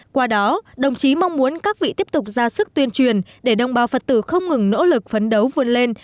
qua đó đồng chí mong muốn các vị tiếp tục ra sức tuyên truyền để đồng bào phật tử không ngừng nỗ lực phấn đấu vươn lên